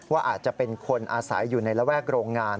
ว่าอาจจะเป็นคนอาศัยอยู่ในระแวกโรงงาน